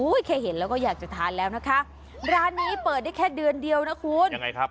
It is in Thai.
แค่เห็นแล้วก็อยากจะทานแล้วนะคะร้านนี้เปิดได้แค่เดือนเดียวนะคุณยังไงครับ